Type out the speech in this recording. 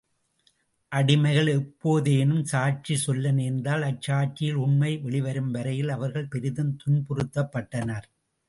அடிமைகள் எப்போதேனும் சாட்சி சொல்ல நேர்ந்தால் அச்சாட்சியில் உண்மை வெளிவரும் வரையில் அவர்கள் பெரிதும் துன்புறுத்தப்பட்டனர்.